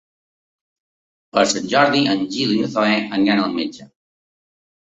Per Sant Jordi en Gil i na Zoè aniran al metge.